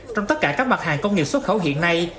trong tất cả các mặt hàng công nghiệp xuất khẩu hiện nay